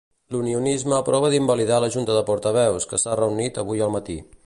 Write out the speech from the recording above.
L'unionisme prova d'invalidar la junta de portaveus, que s'ha reunit avui al matí.